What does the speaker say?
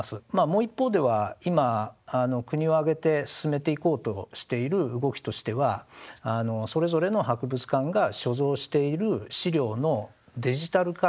もう一方では今国を挙げて進めていこうとしている動きとしてはそれぞれの博物館が所蔵している資料のデジタル化。